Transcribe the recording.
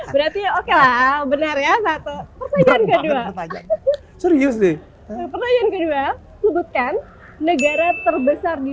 berarti oke bener ya satu pertanyaan kedua serius di kedua sebutkan negara terbesar di